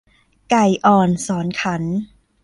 ไก่อ่อนสอนขัน